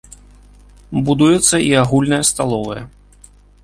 Будуецца і агульная сталовая.